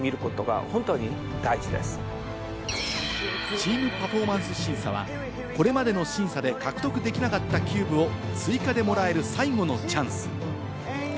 チーム・パフォーマンス審査は、これまでの審査で獲得できなかったキューブを追加でもらえる最後のチャンス。